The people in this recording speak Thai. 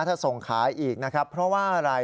ถ้าส่งขายอีกนะครับเพราะว่าอะไร